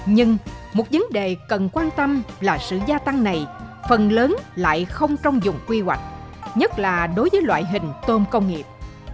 nhưng một vấn đề cần quan tâm là sự gia tăng này phần lớn lại không trong dùng quy hoạch nhất là đối với loại hình tôm công nghiệp